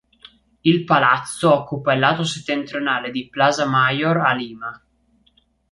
Il palazzo occupa il lato settentrionale di Plaza Mayor a Lima.